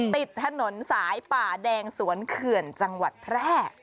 ติดถนนสายป่าแดงสวนเขื่อนจังหวัดแพร่